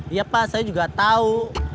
iya pak saya juga tahu